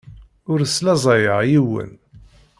Ur slaẓayeɣ yiwen.